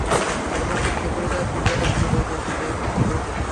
এবং খুব শীঘ্রই তার বিষ গাছ জুড়ে ছড়িয়ে পড়ে।